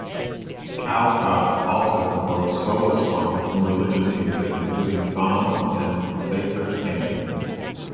Callcott also composed solo songs and religious music including psalms and sacred canons.